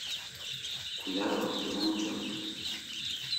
cuidado, que mancho.